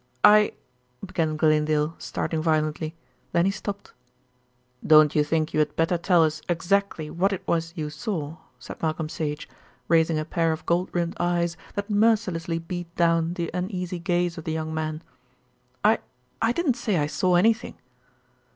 "I " began Glanedale, starting violently, then he stopped. "Don't you think you had better tell us exactly what it was you saw," said Malcolm Sage, raising a pair of gold rimmed eyes that mercilessly beat down the uneasy gaze of the young man. "I I didn't say I saw anything."